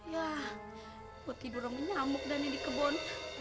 yah gue tidur rame nyamuk dany di kebun